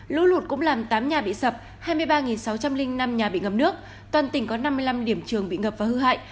lũ lụt cũng làm tám nhà bị sập hai mươi ba sáu trăm linh năm nhà bị ngập nước toàn tỉnh có năm mươi năm điểm trường bị ngập và hư hại